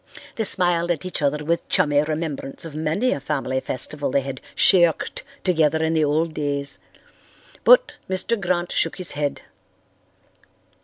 They smiled at each other with chummy remembrance of many a family festival they had "shirked" together in the old days. But Mr. Grant shook his head.